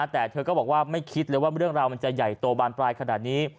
แต่เธอก็บอกว่าไม่คิดเลยว่าเรื่องราวมันจะใหญ่โตบานปลายขนาดนี้